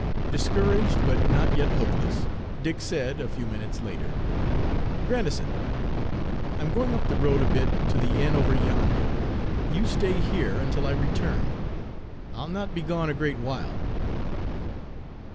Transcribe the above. Discouraged, but not yet hopeless, Dick said, a few minutes later, "Grandison, I 'm going up the road a bit, to the inn over yonder. You stay here until I return. I'll not be gone a great while."